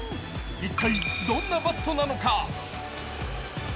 一体どんなバットなのか？